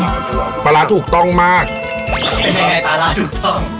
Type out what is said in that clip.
ปลาร้าถูกต้องมากเป็นยังไงปลาร้าถูกต้อง